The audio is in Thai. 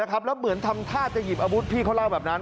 แล้วเหมือนทำท่าจะหยิบอาวุธพี่เขาเล่าแบบนั้น